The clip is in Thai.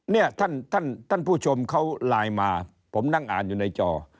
เนี่ยท่านท่านผู้ชมเขาไลน์มาผมนั่งอ่านอยู่ในจอ